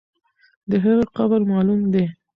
د هغې قبر معلوم دی.